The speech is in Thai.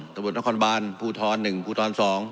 ตำรวจนครบานภูทร๑ภูทร๒